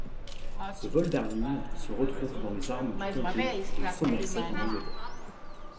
Ce vol d'hermines se retrouve dans les armes du comté de Somerset en Angleterre.